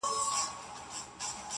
خاموسي لا هم قوي ده تل,